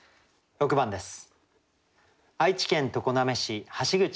６番です。